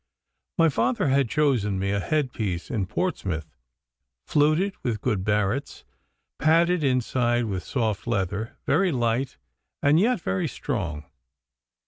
My father had chosen me a head piece in Portsmouth, fluted, with good barrets, padded inside with soft leather, very light and yet very strong.